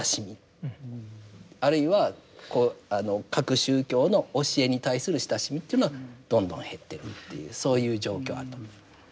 あるいはこう各宗教の教えに対する親しみというのはどんどん減ってるというそういう状況あると思います。